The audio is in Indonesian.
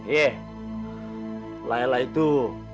ye layla itu berlanjut